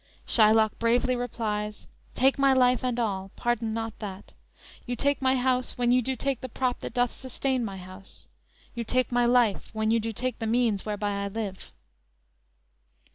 "_ Shylock bravely replies: _"Take my life and all, pardon not that; You take my house, when you do take the prop That doth sustain my house; you take my life When you do take the means whereby I live!"